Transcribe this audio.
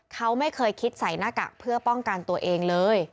เขาไม่เคยคิดใส่หน้ากากเพื่อป้องกันตัวเองเลย